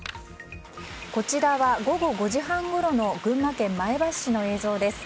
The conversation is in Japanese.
こちらは午後５時半ごろの群馬県前橋市の映像です。